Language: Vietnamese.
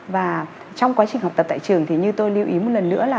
và trong quá trình học tập tại trường thì như tôi lưu ý một lần nữa là